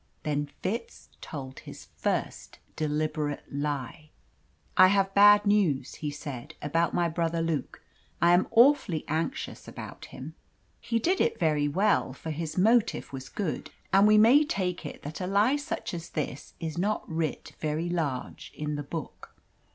Then Fitz told his first deliberate lie. "I have had bad news," he said, "about my brother Luke. I am awfully anxious about him." He did it very well; for his motive was good. And we may take it that such a lie as this is not writ very large in the Book.